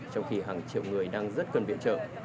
trong khi hàng triệu người đang rất cần viện trợ